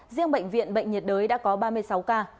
riêng bệnh viện bệnh nhiệt đới đã có ba mươi sáu ca